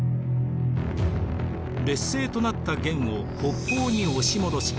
劣勢となった元を北方に押し戻し